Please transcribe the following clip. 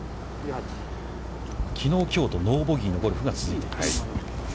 きのう、きょうとノーボギーのゴルフが続いています。